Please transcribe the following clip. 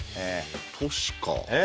都市か。